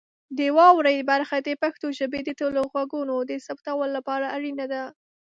د واورئ برخه د پښتو ژبې د ټولو غږونو د ثبتولو لپاره اړینه ده.